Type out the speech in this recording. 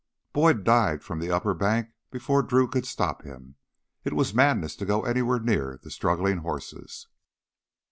Boyd dived from the upper bank before Drew could stop him. It was madness to go anywhere near the struggling horses.